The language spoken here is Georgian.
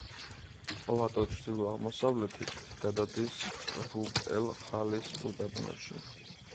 პლატო ჩრდილო-აღმოსავლეთით გადადის რუბ-ელ-ხალის უდაბნოში.